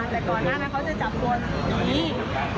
แต่ก่อนหน้านั้นเขาจะจับตัวนี้